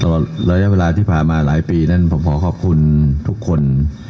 ระยะเวลาที่ผ่านมาหลายปีนั้นผมขอขอบคุณทุกคน